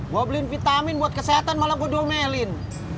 mau beliin vitamin buat kesehatan malah gue domelin